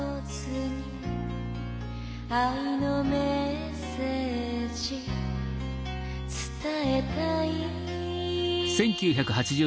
「愛のメッセージ伝えたい」